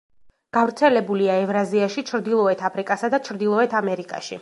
გავრცელებულია ევრაზიაში, ჩრდილოეთ აფრიკასა და ჩრდილოეთ ამერიკაში.